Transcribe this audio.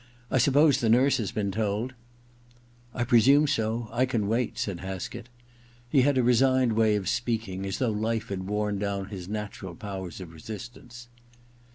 *I suppose the nurse has been told ?* *1 presume so. I can wait/ ssdd Haskett. He had a resigned way of speaking, as though life had worn down his natural powers of re sistance.